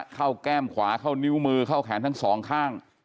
แก้มขวาเข้านิ้วมือเข้าแขนทั้งสองข้าง